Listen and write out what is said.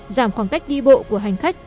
giảm khoảng cách đi bộ của hành khách